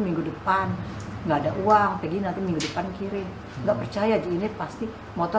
minggu depan enggak ada uang peggy nanti minggu depan kirim enggak percaya jadi pasti motor